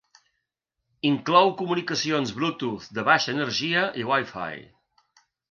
Inclou comunicacions Bluetooth de baixa energia i Wi-Fi.